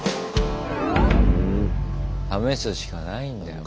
試すしかないんだよ。